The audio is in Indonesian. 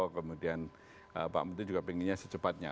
kemudian pak menteri juga inginnya secepatnya